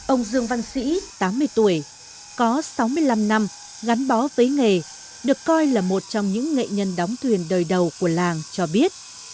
ông dương văn sĩ tám mươi tuổi có sáu mươi năm năm gắn bó với nghề được coi là một trong những nghệ nhân đóng thuyền đời đầu của làng cho biết